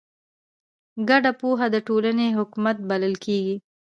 ګډه پوهه د ټولنې حکمت بلل کېږي.